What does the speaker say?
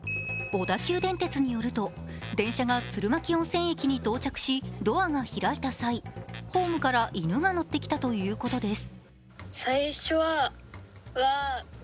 小田急電鉄によると電車が鶴巻温泉駅に到着しドアが開いた際ホームから犬が乗ってきたということです。